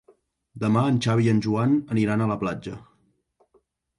Demà en Xavi i en Joan aniran a la platja.